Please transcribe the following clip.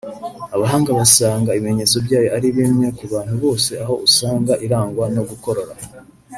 Abahanga basanga ibimenyetso byayo ari bimwe ku bantu bose aho usanga irangwa no gukorora